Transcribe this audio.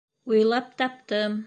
Уйлап таптым!!!